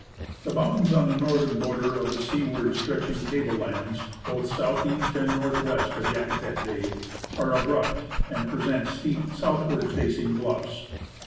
* The mountains on the northern border of the seaward stretch ing table lands, both southeast and northwest of Yakutat bay, are abrupt and present steep southward facing bluffs.